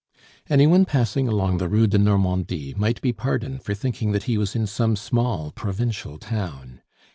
Any one passing along the Rue de Normandie might be pardoned for thinking that he was in some small provincial town.